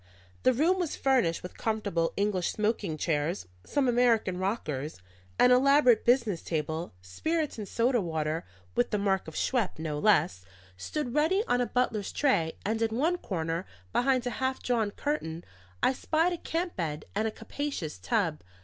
The room was furnished with comfortable English smoking room chairs, some American rockers, and an elaborate business table; spirits and soda water (with the mark of Schweppe, no less) stood ready on a butler's tray, and in one corner, behind a half drawn curtain, I spied a camp bed and a capacious tub.